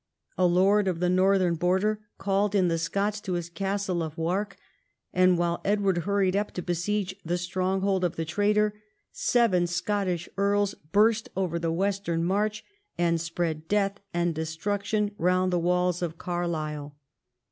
A lord of the northern Border called in the Scots to his castle of Wark, and while Edward hurried up to besiege the stronghold of the traitor, seven Scottish earls burst over the western March and spread death and destruction round the walls of Carlisle.